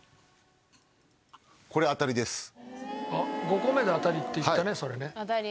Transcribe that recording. ５個目であたりって言ったねそれね。